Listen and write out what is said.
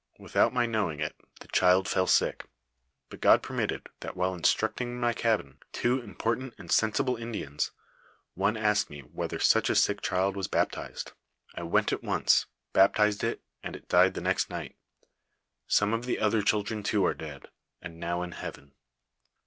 Without my knowing it, the cliild foil sick, but Gud permitted that while instruct ing in my cabin two important and sensible Indians, one asked me, whether such a sick child was baptized. I went at once, baptized it, and it died the next night. Some of the other children too are dead, and now in heaven.